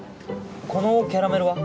このキャラメルは？